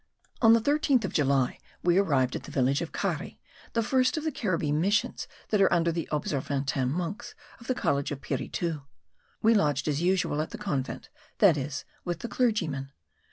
On the 13th of July we arrived at the village of Cari, the first of the Caribbee missions that are under the Observantin monks of the college of Piritu. We lodged as usual at the convent, that is, with the clergyman.